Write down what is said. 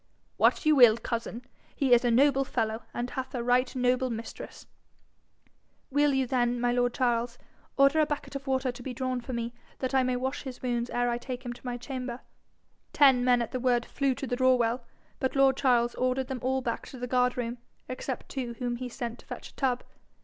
'What you will, cousin. He is a noble fellow, and hath a right noble mistress.' 'Will you then, my lord Charles, order a bucket of water to be drawn for me, that I may wash his wounds ere I take him to my chamber?' Ten men at the word flew to the draw well, but lord Charles ordered them all back to the guard room, except two whom he sent to fetch a tub.